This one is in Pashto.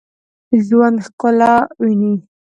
ژوندي ښکلا ویني